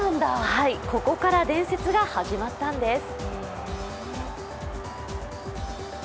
ここから伝説が始まったんです。